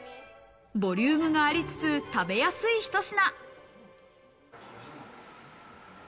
ボリュームがありつつ食べやすいひと品。